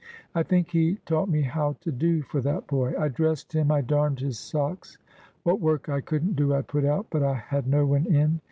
I think He taught me how to do for that boy. I dressed him, I darned his socks: what work I couldn't do I put out, but I had no one in.